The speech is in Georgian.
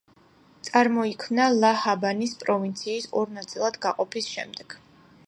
წარმოიქმნა ლა-ჰაბანის პროვინციის ორ ნაწილად გაყოფის შემდეგ.